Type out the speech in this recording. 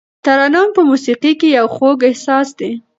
ترنم په موسیقۍ کې یو خوږ احساس دی.